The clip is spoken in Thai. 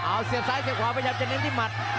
เอาเสียบซ้ายเสียบขวาพยายามจะเน้นที่หมัด